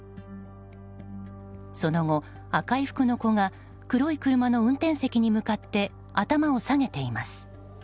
その後、赤い服の子が黒い車の運転席に向かって頭を下げています。